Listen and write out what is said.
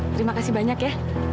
terima kasih banyak ya